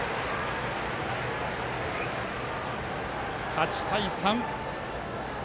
８対３。